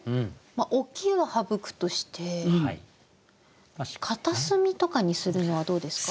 「置き」は省くとして「片隅」とかにするのはどうですか？